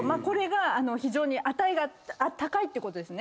これが非常に値が高い。